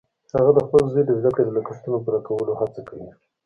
هغه د خپل زوی د زده کړې د لګښتونو پوره کولو هڅه کوي